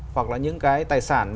hoặc là những cái tài sản